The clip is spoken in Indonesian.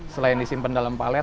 selain disimpan dalam palet